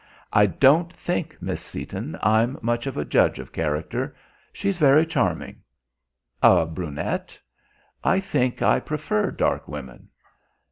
"I don't think, Miss Seaton, I'm much of a judge of character. She's very charming." "A brunette?" "I think I prefer dark women."